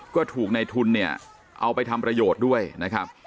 ก็ถูกในทุนเนี่ยเอาไปทำประโยชน์ด้วยนะครับ